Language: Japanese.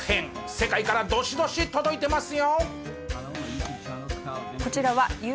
世界からどしどし届いてますよ。